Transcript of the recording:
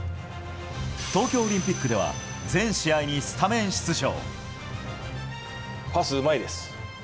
東京オリンピックでは全試合にスタメン出場。